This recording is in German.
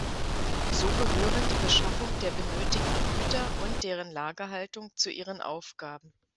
So gehören die Beschaffung der benötigten Güter und deren Lagerhaltung zu ihren Aufgaben.